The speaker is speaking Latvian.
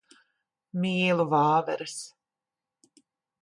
Mīlu vāveres.